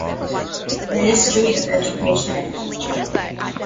Ministry of Education and Culture.